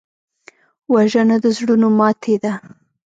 وژنه د زړونو ماتې ده